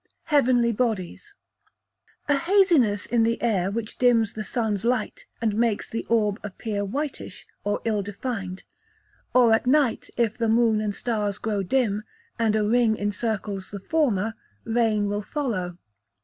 Heavenly Bodies A haziness in the air, which dims the sun's light, and makes the orb appear whitish, or ill defined or at night, if the moon and stars grow dim, and a ring encircles the former, rain will follow.